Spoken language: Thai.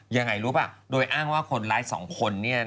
ยังไงรู้ป่ะโดยอ้างว่าคนร้าย๒คน